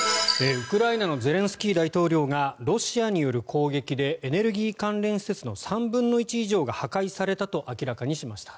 ウクライナのゼレンスキー大統領がロシアによる攻撃でエネルギー関連施設の３分の１以上が破壊されたと明らかにしました。